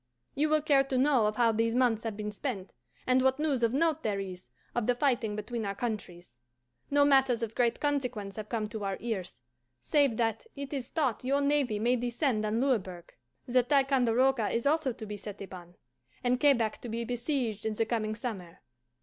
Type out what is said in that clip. You will care to know of how these months have been spent, and what news of note there is of the fighting between our countries. No matters of great consequence have come to our ears, save that it is thought your navy may descend on Louisburg; that Ticonderoga is also to be set upon, and Quebec to be besieged in the coming summer.